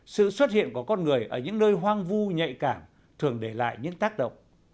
sự xuất hiện của con người ở những nơi hoang vu nhạy cảm thường để lại những tác động